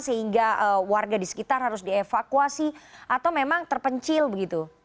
sehingga warga di sekitar harus dievakuasi atau memang terpencil begitu